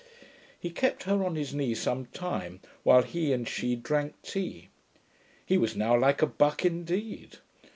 He kept her on his knee some time, while he and she drank tea. He was now like a BUCK indeed.